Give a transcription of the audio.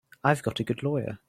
I've got a good lawyer.